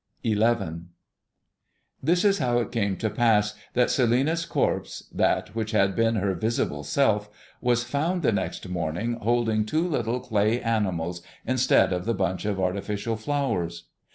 XI. This is how it came to pass that Celinina's corpse, that which had been her visible self, was found the next morning holding two little clay animals instead of the bunch of artificial flowers.